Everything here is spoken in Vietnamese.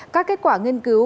các kết quả nghiên cứu